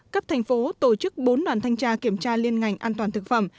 cấp thành phố tổ chức bốn đoàn thanh tra kiểm tra liên ngành an toàn thực phẩm